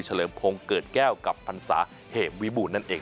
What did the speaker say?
เลิมพงศ์เกิดแก้วกับพันศาเหมวิบูรณนั่นเอง